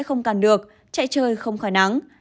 không càn được chạy chơi không khỏi nắng